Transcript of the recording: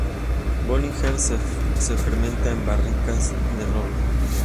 Bollinger se fermenta en barricas de roble.